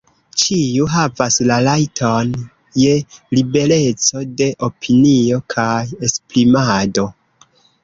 Ĉiu havas la rajton je libereco de opinio kaj esprimado.